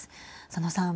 佐野さん。